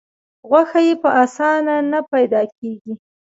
غوښه یې په اسانه نه پیدا کېږي.